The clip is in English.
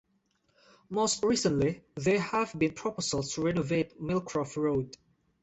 Most recently there have been proposals to renovate Millcroft Road.